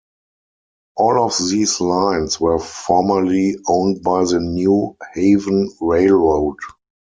All of these lines were formerly owned by the New Haven Railroad.